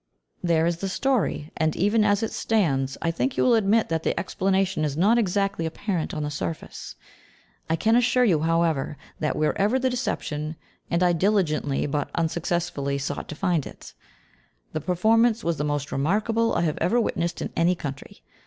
There is the story, and, even as it stands, I think you will admit that the explanation is not exactly apparent on the surface. I can assure you, however, that wherever the deception (and I diligently, but unsuccessfully, sought to find it), the performance was the most remarkable I have ever witnessed in any country.